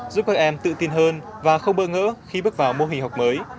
giúp các em tự tin hơn và không bỡ ngỡ khi bước vào mô hình học mới